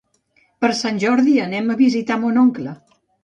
Per Sant Jordi anem a visitar mon oncle.